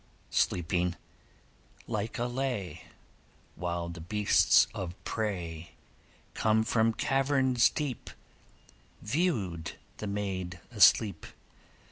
Sleeping Lyca lay, While the beasts of prey, Come from caverns deep, Viewed the maid asleep.